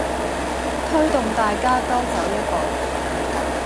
推動大家多走一步